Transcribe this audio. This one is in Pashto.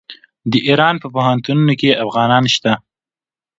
د ایران په پوهنتونونو کې افغانان شته.